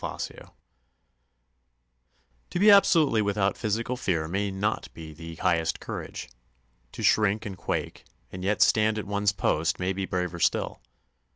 BRAVE LIFE To be absolutely without physical fear may not be the highest courage; to shrink and quake, and yet stand at one's post, may be braver still.